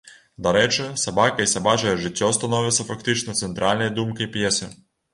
Дарэчы, сабака і сабачае жыццё становяцца фактычна цэнтральнай думкай п'есы.